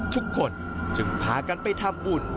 ทุกคนจึงพากันไปทำบุญ